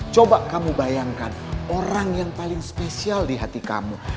coba kamu bayangkan orang yang paling spesial di hati kamu